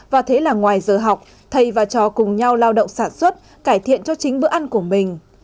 và thế là ngoài giờ học thầy và trò cùng nhau lao động sản xuất cải thiện cho chính bữa ăn của mình